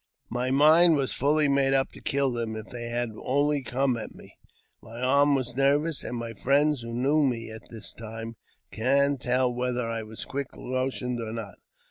My mind was fully made up to kill them if they had only come at me ; my arm was nervous ; and my friends, who knew me at that time, can tell whether I was quick motioned or not.